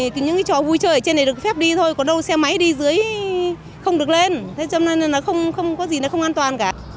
thì những cái chó vui chơi ở trên này được phép đi thôi có đâu xe máy đi dưới không được lên thế cho nên là không có gì là không an toàn cả